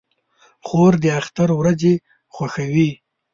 خور د اختر ورځې خوښوي.